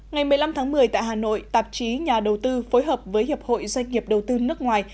ngày một mươi năm tháng một mươi tại hà nội tạp chí nhà đầu tư phối hợp với hiệp hội doanh nghiệp đầu tư nước ngoài